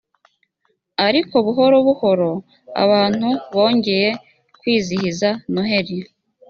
ariko buhoro buhoro abantu bongeye kwizihiza noheli